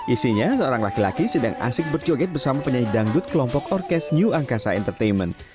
isinya seorang laki laki sedang asik berjoget bersama penyanyi dangdut kelompok orkes new angkasa entertainment